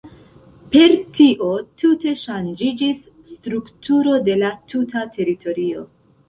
Per tio tute ŝanĝiĝis strukturo de la tuta teritorio.